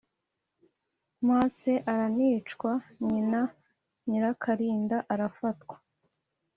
Masse aranicwa Nyina Nyirakarinda arafatwa